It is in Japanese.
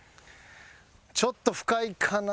ちょっと深いかな。